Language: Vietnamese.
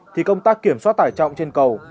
thì công tác kiểm soát tải trọng trên cầu